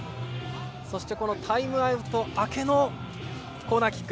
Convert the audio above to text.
そしてタイムアウト明けのコーナーキック